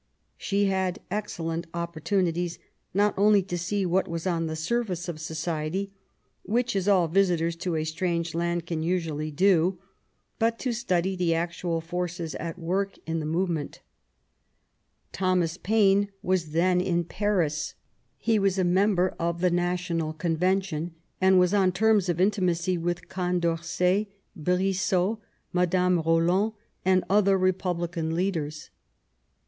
She had excellent opportunities not only to see what was on the surface of society, which is all visitors to a strange land can usually do, but to study the actual forces at work in the movement. Thomas Paine was then in Paris. He VISIT TO PABI8. 113 was a member of the National Convention, and was on terms of intimacy with Condorcet, Brissot, Madame Boland, and other Republican leaders.